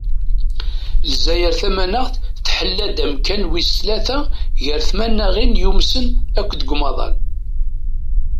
Lezzayer tamanaɣt tḥella-d amkan wis tlata gar tmanaɣin yumsen akk deg umaḍal.